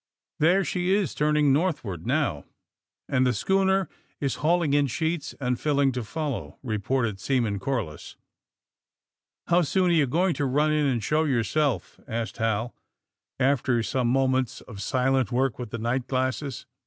There, she is turning northward, now." *'And the schooner is hauling in sheets and filling to follow," reported Seaman Corliss. *'How soon are you going to run in and show yourself?" asked Hal, after some moments of silent work with the night glasses.